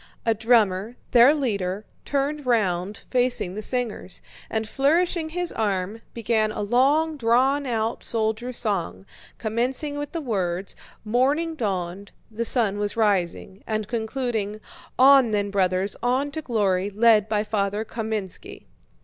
A drummer, their leader, turned round facing the singers, and flourishing his arm, began a long drawn out soldiers' song, commencing with the words: "Morning dawned, the sun was rising," and concluding: "On then, brothers, on to glory, led by Father Kámenski."